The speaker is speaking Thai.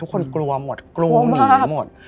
ทุกคนกลัวหมดกลัวหนีหมด